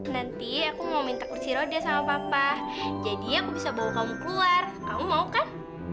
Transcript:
nanti aku mau minta kursi roda sama papa jadi aku bisa bawa kamu keluar kamu mau kan